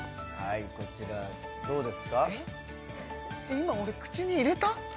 今俺口に入れた？